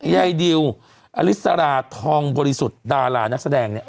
ยายดิวอลิสราทองบริสุทธิ์ดารานักแสดงเนี่ย